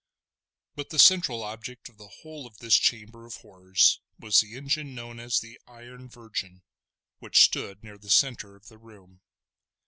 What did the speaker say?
But the central object in the whole of this chamber of horrors was the engine known as the Iron Virgin, which stood near the centre of the room.